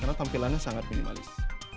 karena tampilannya sangat minimalis